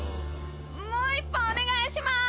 もう一本お願いします！